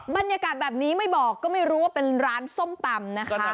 บรรยากาศแบบนี้ไม่บอกก็ไม่รู้ว่าเป็นร้านส้มตำนะคะ